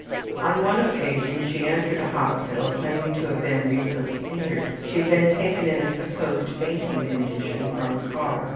On one occasion she entered a hospital, claiming to have been recently injured; she had been taken in a supposed fainting condition from a car.